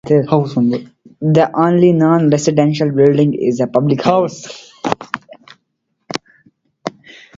The only non-residential building is a public house.